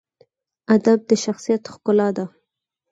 ادب د شخصیت ښکلا ده.